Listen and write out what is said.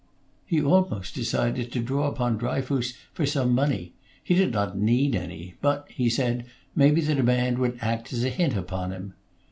He almost decided to draw upon Dryfoos for some money; he did not need any, but, he said maybe the demand would act as a hint upon him.